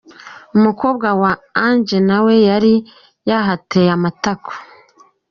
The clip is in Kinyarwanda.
Umukobwa we Ange nawe yari yahateye amatako.